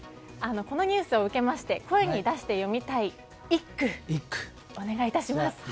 このニュースを受けまして声に出して読みたい一句お願い致します。